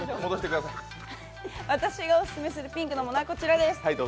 私がオススメするピンクのものはこちらです。